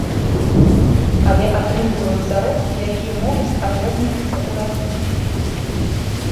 Але атрымліваюць заробкі, якія могуць адрознівацца ў разы.